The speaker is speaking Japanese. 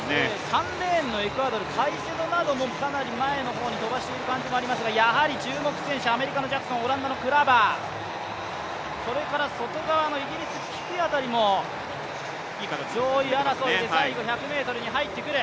３レーンのエクアドルカイセドなどもかなり飛ばしている感じもありますがやはり注目選手、アメリカのジャクソン、オランダのクラバーそれから外側のイギリス、ピピ辺りも上位争いで最後１００ｍに入ってくる。